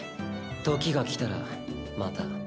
時が来たらまた。